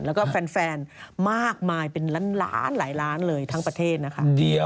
แล้วก็แฟนมากมายเป็นล้านหลายล้านเลยทั้งประเทศนะคะ